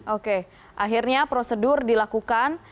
oke akhirnya prosedur dilakukan